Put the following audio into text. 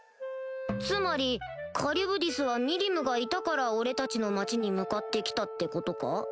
つまりカリュブディスはミリムがいたから俺たちの町に向かって来たってことか？